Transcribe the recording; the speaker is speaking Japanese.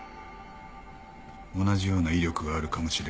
同じような威力があるかもしれない。